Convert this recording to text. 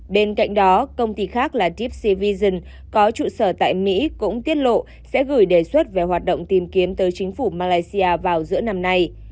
bên cạnh đó công ty khác là diepc vision có trụ sở tại mỹ cũng tiết lộ sẽ gửi đề xuất về hoạt động tìm kiếm tới chính phủ malaysia vào giữa năm nay